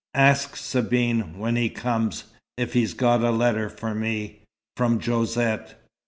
"Ask Sabine, when he comes if he's got a letter for me from Josette."